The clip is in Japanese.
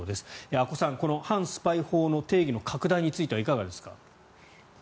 阿古さん、この反スパイ法の定義の拡大についてはいかがですか。